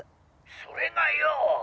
それがよぉ。